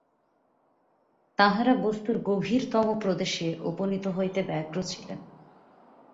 তাঁহারা বস্তুর গভীরতম প্রদেশে উপনীত হইতে ব্যগ্র ছিলেন।